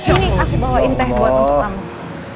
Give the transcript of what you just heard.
ini aku bawain teh buat untuk kamu